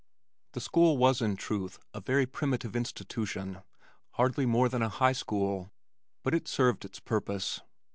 The school was in truth a very primitive institution, hardly more than a high school, but it served its purpose.